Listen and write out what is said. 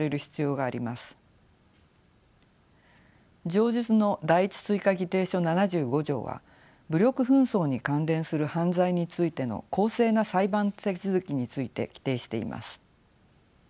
上述の第１追加議定書７５条は武力紛争に関連する犯罪についての公正な裁判手続きについて規定しています。